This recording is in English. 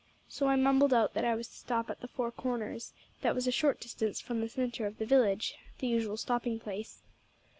So I mumbled out that I was to stop at the Four Corners: that was a short distance from the centre of the village, the usual stopping place.